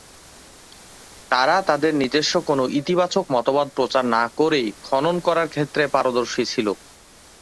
তারা তাদের নিজস্ব কোনো ইতিবাচক মতবাদ প্রচার না করেই খণ্ডন করার ক্ষেত্রে পারদর্শী ছিল।